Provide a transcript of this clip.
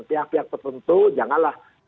pihak pihak tertentu janganlah